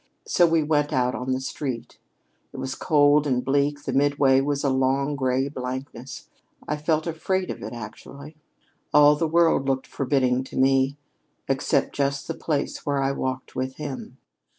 So we went out on the street. It was cold and bleak. The Midway was a long, gray blankness. I felt afraid of it, actually. All the world looked forbidding to me except just the little place where I walked with him.